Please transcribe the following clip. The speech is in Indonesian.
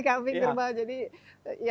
kambing kerbau jadi